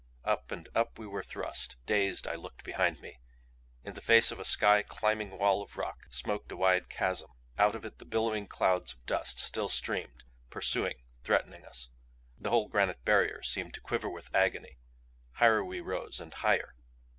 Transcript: Up and up we were thrust. Dazed I looked behind me. In the face of a sky climbing wall of rock, smoked a wide chasm. Out of it the billowing clouds of dust still streamed, pursuing, threatening us. The whole granite barrier seemed to quiver with agony. Higher we rose and higher.